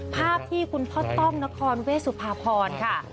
ภาพที่คุณพ่อต้อมนครเวศพพรค่ะค่ะ